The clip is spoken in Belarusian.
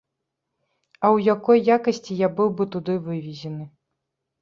А ў якой якасці я быў бы туды вывезены?